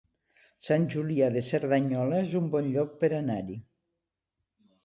Sant Julià de Cerdanyola es un bon lloc per anar-hi